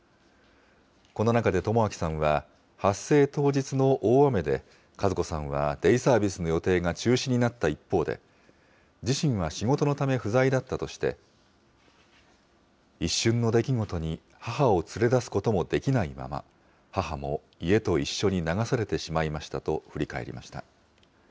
この中で朋晃さんは、発生当日の大雨で、和子さんはデイサービスの予定が中止になった一方で、自身は仕事のため不在だったとして、一瞬の出来事に母を連れ出すこともできないまま、母も家と一緒に流されてしまいましたと振り返りました。